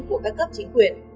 của các cấp chính quyền